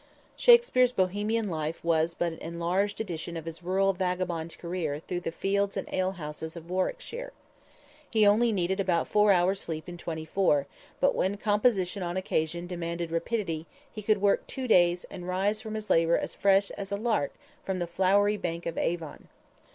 Shakspere's bohemian life was but an enlarged edition of his rural vagabond career through the fields and alehouses of Warwickshire. He only needed about four hours' sleep in twenty four, but when composition on occasion demanded rapidity, he could work two days and rise from his labor as fresh as a lark from the flowery bank of Avon.